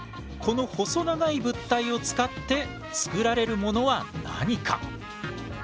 この細長い物体を使って作られるものは何か？